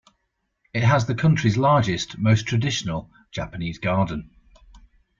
It has the country's largest, most traditional Japanese garden.